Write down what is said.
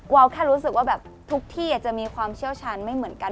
แค่รู้สึกว่าแบบทุกที่จะมีความเชี่ยวชาญไม่เหมือนกัน